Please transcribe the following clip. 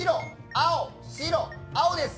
青、白、青です。